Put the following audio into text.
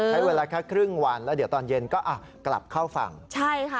ใช้เวลาแค่ครึ่งวันแล้วเดี๋ยวตอนเย็นก็อ่ะกลับเข้าฝั่งใช่ค่ะ